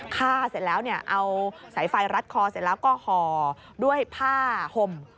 ฆ่าเสร็จแล้วเอาสายไฟรัดคอเสร็จแล้วก็ห่อด้วยผ้าห่ม